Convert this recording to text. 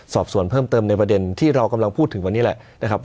สอบส่วนเพิ่มเติมในประเด็นที่เรากำลังพูดถึงวันนี้แหละนะครับ